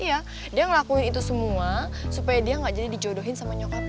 iya dia ngelakuin itu semua supaya dia gak jadi dijodohin sama nyokap